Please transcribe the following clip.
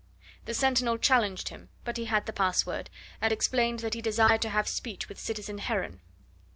The sentinel challenged him, but he had the pass word, and explained that he desired to have speech with citizen Heron.